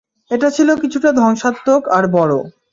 এটা ছিল কিছুটা ধ্বংসাত্মক, আর বড়।